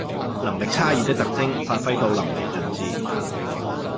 能力差異的特徵發揮到淋漓盡致